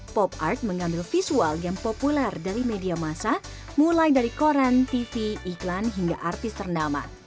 pop art mengambil visual yang populer dari media masa mulai dari koran tv iklan hingga artis ternama